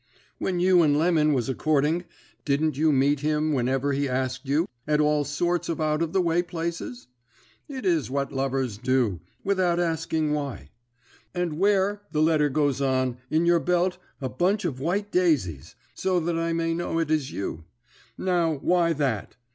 When you and Lemon was a courting didn't you meet him whenever he asked you at all sorts of out of the way places? It is what lovers do, without asking why. "And wear," the letter goes on, "in your belt a bunch of white daisies, so that I may know it is you." Now, why that?